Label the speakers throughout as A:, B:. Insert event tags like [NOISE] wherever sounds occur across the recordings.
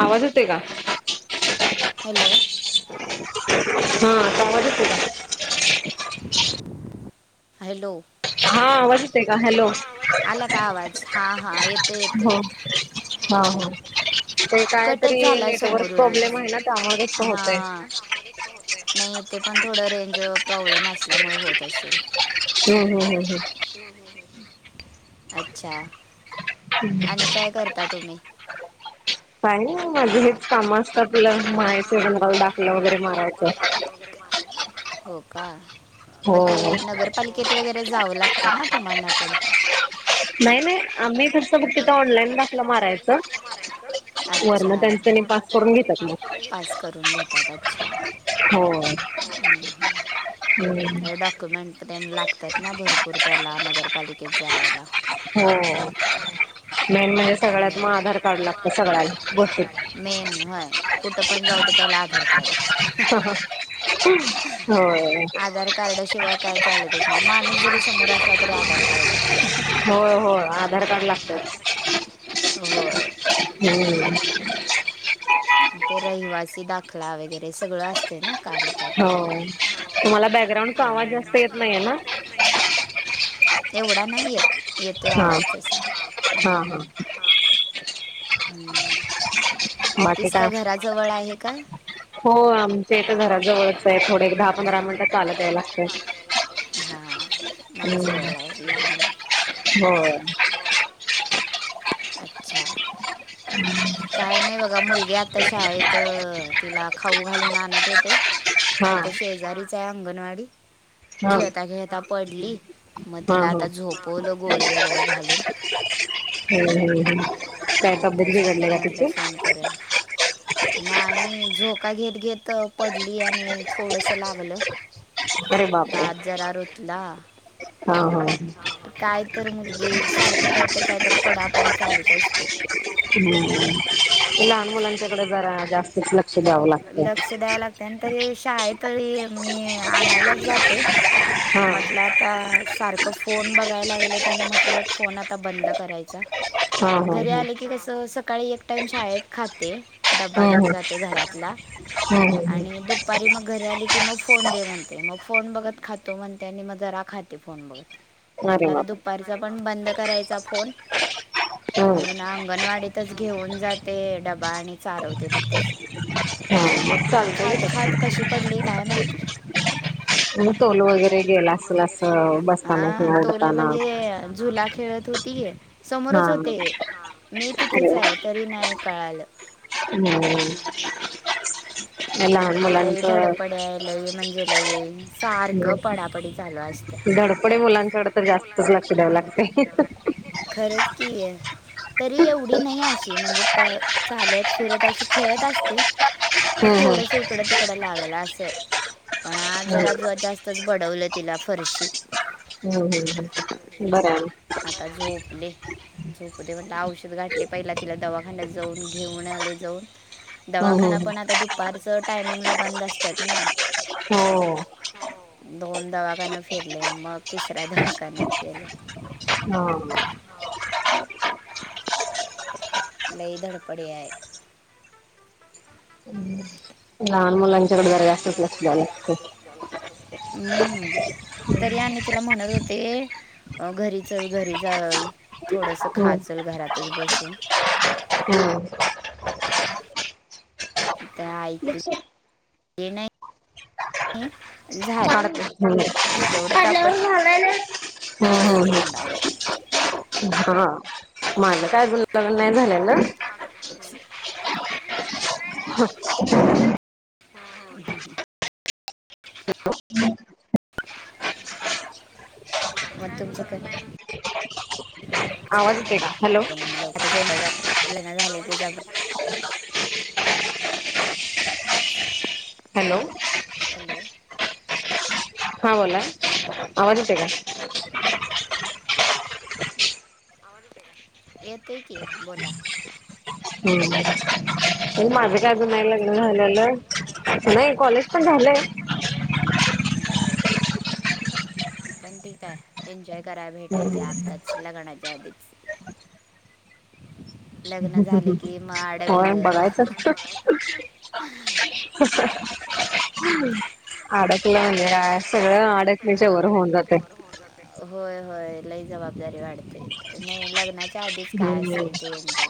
A: आवाज होतय का
B: हॅलो
A: हा समज तरा [INAUDIBLE]
B: हायलो
A: हा वाजते का हॅलो हो हा हम [UNINTELLIGIBLE] ते काय तरी नेटवर्क प्रॉब्लेम आहे ना त्यामागच [UNINTELLIGIBLE] होतय
B: नाही तेे पण थोडं रेंज प्रॉब्लेम असल्यामुळे होत असेल
A: हम्म हम्म हम्म हम्
B: अच्छा आणि काय करता तुम्ही नाही [UNINTELLIGIBLE] माझून हे समजत [UNINTELLIGIBLE] तलं माहितीबाल दाखलं वगैरे मा हो का मग ते नगरपालिकेत वगैरे जावं लागतं ना तुम्हाना पण नाही नाही आम्ही फक्त [UNINTELLIGIBLE] ऑनलाईन धाकला मारायचा अच्छा वरण त्याचं तेनीं पास करून घेतात अच्छ डॉक्युमेंट त्यां [UNINTELLIGIBLE] लागतात ना भरपूर त्याला नगरपालिकेत जायला
A: हो
B: मेन हय कुठं पण जाऊ पहिला आधार कार्ड आधार कार्डाशिवाय काय चालतच नाही माणूस जरी समोर असला तरी आधार कार्ड
A: होय हो आधार कार्ड लागतच
B: होय ते रहिवासी दाख कला [UNINTELLIGIBLE] वगैरे सगळं असते ना काम त्यात पण हो तुम्हाला बॅगग्राउंडचा आवाज जास्त येत नाहीे ना एवढा नाही येत येतोय आवाज तसा ह हम्म ऑफिस का घराजवळ आहे काय
A: हो आमचे तर घराजवळच आहे थोडे दहा पंधरा मिनट चालत याय लागतय
B: ह मग जवळ आहे लांब नाही
A: हो
B: अच्छा
A: हम्म [UNINTELLIGIBLE]
B: काय नाही बघा मुलगी आता शाळेत तिला खाऊ घालून आणत होते इथे शेजारीचा अंगणवाडी खेळता खेळता पडली मग तिला आता झोपवलं गोळी वगैरे घालून
A: हो काय तब्बेत बिघडले का तिची
B: नाही झोका घेत घेत पडली आणि थोडस लागलं दात जरा रुतला काय तर मुलगी सारखं कायतर कायतर
A: लहान मुलांच [INAUDIBLE] जरा जास्तच लक्ष द्यावं लागत. [INAUDIBLE]
B: शाळेत तरी मी आणायलाच जाते म्हटलं आता सारखं फोन बघायला गेले त्यानं म्हटलं फोन आता बंद करायचा घरी आले की कस सकाळी एक टाइम शाळेत खाते डबा घेऊन जाते घरातला आणि दुपारी मग घरी की मग फोन दे म्हणते मग फोन बत खातो म्हणते आणि मग जरा खाते फोन बघत म्हटलं आता दुपारचा पण बंद करायच फोन म्हणून अंगणवाडीतच घेऊन जात ते डबा आणि चारवते तिथेच खात खात कशी पडली काय माहिती! तोल वैगेरे गेला, हा तोल म्हणजे झुला खेळत होती गे समोरच होते मी तिथेच आहे तरी नाही कळालं
A: हम्म [INAUDIBLE] लहान मुलांचं [INAUDIBLE] धडपडे मुलांच्याड तर जास्तच लक्ष द्याव लागतय
B: खरच की ये तरी एवढी नाही अशी म्हणजे पळ चालत फिरत अशी खेळत असते नाही थोडस इकडं तिकडं लागलं असं. पण ना जरा ज जास्तच बडवलं तिला फरशी आता झोपले झोपूदे म्हंटल औषध गाठले पहिला तिला दवाखान्यात जाऊन घेऊन आले जाऊन दवाखाना पण आता दुपारचं टायमिंगला बंद असत्यात ना
A: हो
B: दोन दवाखना फिरले मग तिसऱ्या दवाखान्यात फिरले
A: हम्म [INAUDIBLE]
B: लई दडपडी हाय
A: [INAUDIBLE]
B: लहान मुलांच्या कडे जरा जास्तच लक्ष द्यावं लागत, हम्म तरी आणि तिला म्हणत होत ते घरी चल घरी चल थोडस खा चल घरातच बसून तर ऐकली नाही ती
A: [INAUDIBLE] [INAUDIBLE] माज काय अजून लंग्न नाही झालेल [INAUDIBLE]
B: [INAUDIBLE]
A: [INAUDIBLE]
B: मग तुमचं क अच्छा लवकरचय का लग्न झालंय की ज [INAUDIBLE]
A: हॅलो! हा बोला आवाज येते का?
B: ये ते की बोला
A: हम्म! माझं काजून नाही लग्न झालेलं नाही कॉलेज पण झालंय
B: बाय पण ठीक आहे एन्जॉय कराय भेटाय ते आत्ताच लग्नाच्या आधी लग्न झाले की मग अड
A: होय बघायचंच ह आडच
B: आडकला व सगळ आडच्यावर होऊन जाते होय हो लई जबाबदारी वाढते नाही लग्नाच्या आधीच काय असेल तेज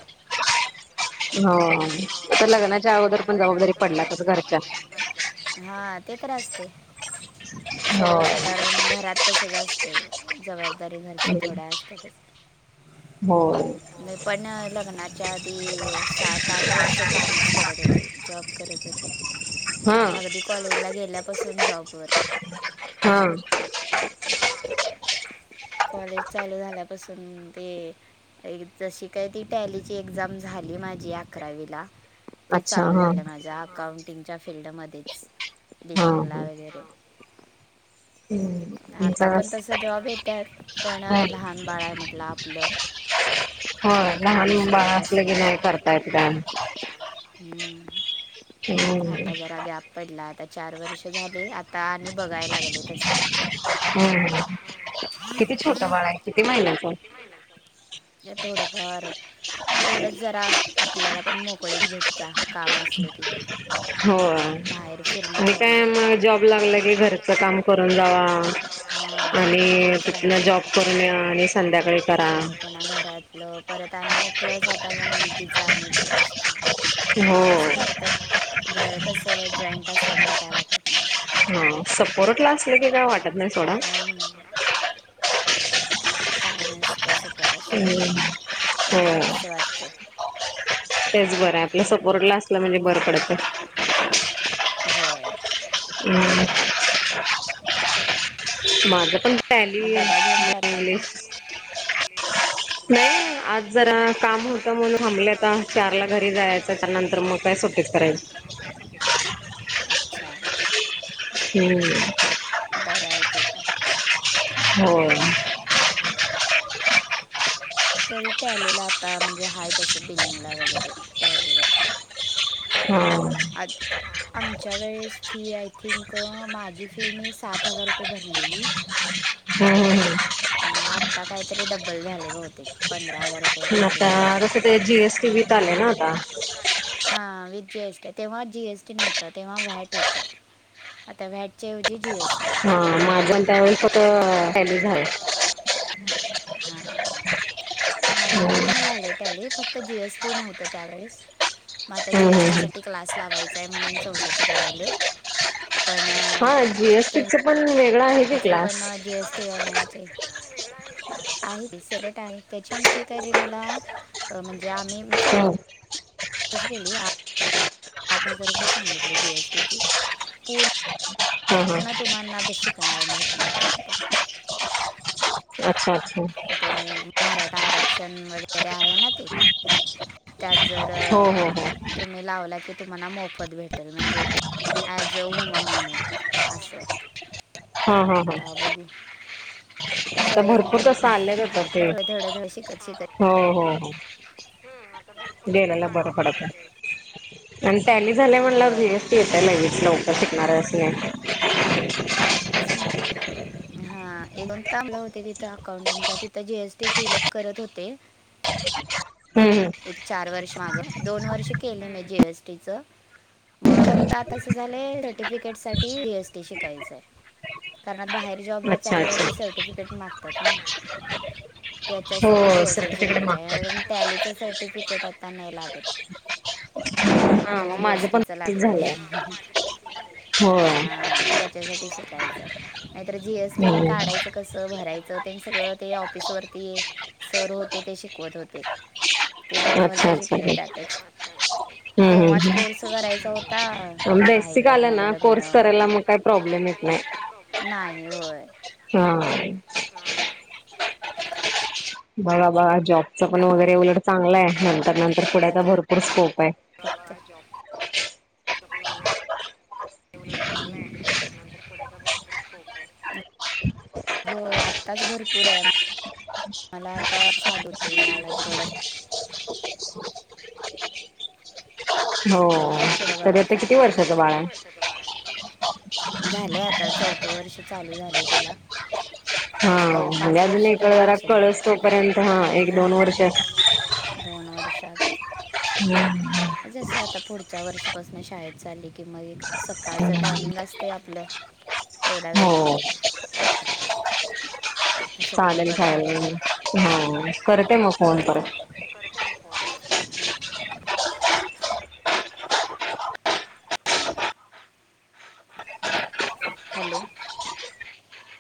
A: हो आता लग्नाच्या अगोदर पण जबाबदारी पडला त घरच्या
B: ते तर असते सर्वसाधारण घरात तसच असते जबाब रच्या थड्यात मी पण लग्नाच्या आ आठ वर्ष कामच करत होते जॉब करत होे अगदी कॉलेज ला गेल्यापासून जॉब वर
A: हा.
B: कॉलेज चालू झाल्यापासून ते एक जशी काय ती टॅलीची एक्झाम झाली मा माझी अकरावीला. ते चालू झालं माझ्या अकाउंटिंगच्या फिल्ड मध्येच. दिल्लीला वगैरे. आता पण तसं जॉब येत्यात पण लहान बाळ हाय म्हटलं आपलं काम काय आयुष्यभर असणार. हम्म! आता जरा गॅप पडला. आता चार वर्ष झाले आता आणि बघाय लागले तसे
A: हम्म किती छोटं बाळं हाय? किती महिन्याचं हाय?
B: थोडंफार तेवढंच जरा आपल्याला पण मोकळीक भेटत्या. काम असलं कि.
A: हो आणि काय म जॉब लागला की घरचं काम करून जावा आणि तितन जॉब करून या आणि संध्याकाळी करा.
B: घरातलं परत आणि प्लस आता ह्या मुलगिचं आणि ते असतंय. तसं करतात. घर कसं जॉईंट असल्यामुळे काय वाटत नाही.
A: हा सपोर्टला असलं की काय वाटत नाही सोडा.
B: काय नसतंय स रीलॅक्स वाटतय.
A: तेच बरं हाय आपलं. सपोर्टला असलं म्हणजे बरं पडतंय. हम्म. माझं पण टॅली इग्लिश नाही आज जरा काम होतं म्हणून थांबलंय आत्ता चार ला घरी जायचं. त्या नंतर मग काय सुट्टीच करायची.
B: अच्छा. बरं हाय ते पण
A: होय.
B: तरी टॅलीला आत्ता म्हणजे हाय तसं बिल्डिंगला वगैरे टॅली वती. आमच्या वेळेस फी आय थिंक माझी फी मी सात हजार रुपये भरलेली. अ आता काहीतरी डब्बल झाले बहुतेक पंधरा पंधरा हजार रुपये कायतर जी एस टी. तेव्हा जीएसटी नव्हता, तेव्हा व्हॅट होतं. आता व्हॅटच्याऐवजी जी एस टी. [INAUDIBLE] हा माझं पण त्यावेळी फक्त टॅली झालंय. माझं पूर्ण झालंय टॅली फक्त जी एस टी नव्हतं त्यावेळेस मग आता जी एस टी साठी क्लास लावायचाय म्हणून चौथशी करायले.
A: हा जीएसटीच पण वेगळं आहे की क्लास.
B: आहे सिलेट आहे त्याची पण फी काय रि मला म्हण मे आम्ही चौक कशी केली? आठ हजार रुपये सांगितले जी, एस, टी, चे पूर्ण. पु्हा तुम्हाना बे शिकणावर भेटणारत पण.
A: अच्छाच्छा.
B: ते मराठा आरक्षण वगैरे आहे ना ते. त्यात जर तुम्ही लावला कि तुम्हाला मोफत भेटेल म्हणजे ऍज अ वुमन म्हणून असं.
A: हा हा हा. आता भरपूर तसं आलंच होत ते हो हो हो. गेलेला बर पडत. आणि टॅली झाल्या म्हणल्यावर जी, एस, टी येत्या लगेच लवकर शिकणार अस नाही.
B: हा एवन चांगलंय अकाउंटिंगच्या तिथ जी, एस, टी केल. करत होते.
A: ह [UNINTELLIGIBLE]
B: एक चार वर्ष माग दोन वर्ष केले म जी, एस, टी, चं. मग फक्त आता अस झालं सर्टिफिकेट साठी जी, एस, टी शिकायचंय. कारण बाहेर जॉबला चालल्यावरती सर्टिफिकेट मागतात ना. त्याच्यासाठी जी, एस, टी शिकायचे हाय ट्यालिच सर्टी फुकट आता नहीं लागत.
A: ह [INAUDIBLE]
B: आता जी, एस, टी च लागत हा त्याच्यासाठी शिकायचं. नाहीतर जीएसटी हे काढायचं कसं भरायचं सगळं ते ऑफिस वरती सर होते ते शिकवत होते. ते दोन वर्ष शिकले त्यातच तेव्हाच कोर्स करायचा होता. राहिलं मग लग्न अल ना मग कोर्स करायला काय प्रोब्लेम नहीं नाही होय.
A: हा. मग बाबा जॉबचं पण वगैरे उलट चांगलं आहे. तर नंतर पुढे तर भरपूर स्कोप आहे.
B: पण वगैरे चांगलंय. नंतर पुढचा भरपूर स्कोप आहे होय आत्ताच भरपूर आहे. मला आता चालूती नालद रड आता इतून पुढ बघायचा आणि हा किती वर्षाचे बाळ आहे. झालंय आता चौथं वर्ष चालू झालंय तिला. ते पाच वर्ष तरी लक्ष द्याला लागतय हा. शनिवारी
A: हम्म.
B: आता पुढच्या वर्षीपासून शाळेत चाली किं मग एक सकाळचं टायमिंग असत. ते आपलं तेवढ्या वेळेत हो. तस बर पडतय करते मग फो
A: ह.
B: हॅलो.